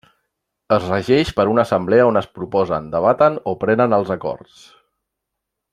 Es regeix per una assemblea on es proposen, debaten o prenen els acords.